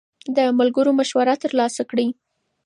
د ملګرو مشوره ترلاسه کړئ.